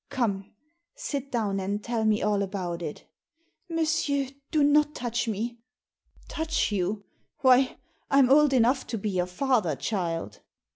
Come, sit down and tell me all about it." " Monsieur, do not touch me !"* Touch you ! Why, I'm old enough to be your father, child!"